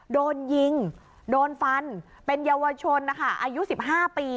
โดนยิงโดนฟันเป็นเยาวชนนะคะอายุ๑๕ปี